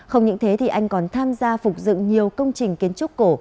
không những thế thì anh còn tham gia phục dựng nhiều công trình kiến trúc cổ